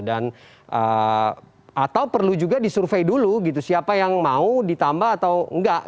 atau perlu juga disurvey dulu gitu siapa yang mau ditambah atau enggak